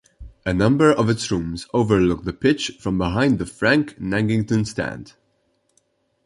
A number of its rooms overlook the pitch from behind the Frank Nagington Stand.